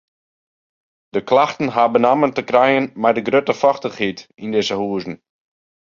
De klachten ha benammen te krijen mei de grutte fochtichheid yn dizze huzen.